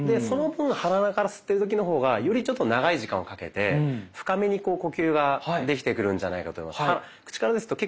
その分鼻から吸ってる時の方がよりちょっと長い時間をかけて深めにこう呼吸ができてくるんじゃないかと思います。